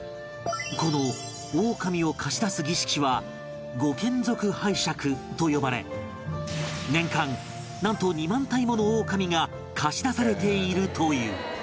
このオオカミを貸し出す儀式は御眷属拝借と呼ばれ年間なんと２万体ものオオカミが貸し出されているという